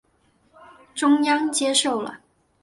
中央接受了。